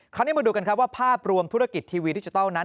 มาดูกันครับว่าภาพรวมธุรกิจทีวีดิจิทัลนั้น